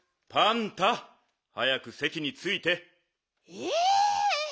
え？